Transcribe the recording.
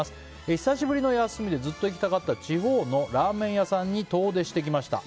久しぶりの休みでずっと行きたかった地方のラーメン屋さんに遠出してきました。